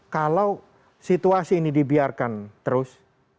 kalau situasi ini dibiarkan terus